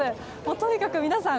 とにかく皆さん